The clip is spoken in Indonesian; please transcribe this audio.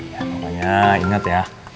ya pokoknya ingat ya